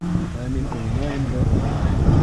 Ә мин уйнайым да уйнайым.